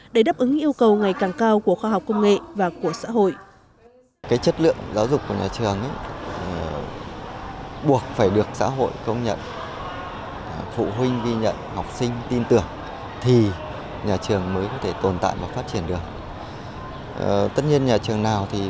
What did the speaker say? để đáp ứng yêu cầu ngày càng cao của khoa học công nghệ và của xã hội